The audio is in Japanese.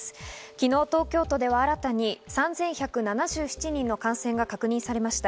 昨日、東京都では新たに３１７７人の感染が確認されました。